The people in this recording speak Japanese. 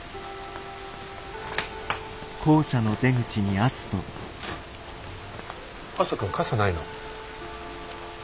篤人君傘ないの？